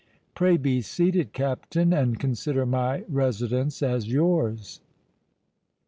Pray be seated, Captain, and consider my residence as yours."